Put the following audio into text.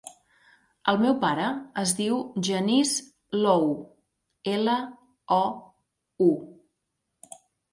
El meu pare es diu Genís Lou: ela, o, u.